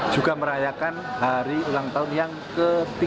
juga merayakan hari ulang tahun yang ke tiga puluh